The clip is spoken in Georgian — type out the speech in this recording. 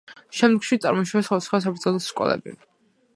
შემდგომში წარმოიშვა სხვადასხვა საბრძოლო სკოლები.